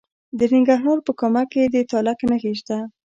د ننګرهار په کامه کې د تالک نښې شته.